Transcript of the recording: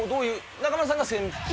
中丸さんが先輩？